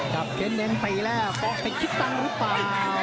กับเก้นเน้นตีแล้วพอกไปคิดตั้งหรือเปล่า